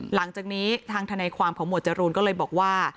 หลังจากนี้ทางทนายความของหมวดจรูนก็เลยบอกว่า